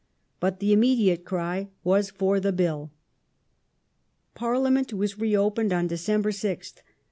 But the immediate cry was for " the Bill ". Parliament was reopened on December 6th.